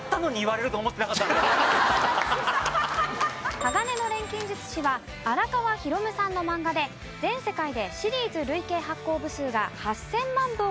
『鋼の錬金術師』は荒川弘さんの漫画で全世界でシリーズ累計発行部数が８０００万部を超える人気作品です。